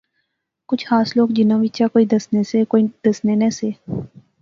کچھ خاص لوک جنہاں وچا کوئی دسنے سے کوئی دسنے نہسے